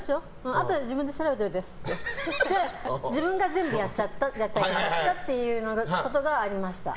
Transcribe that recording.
あとで自分で調べといてって自分が全部やってあげちゃったということがありました。